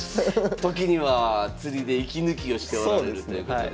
時には釣りで息抜きをしておられるということで。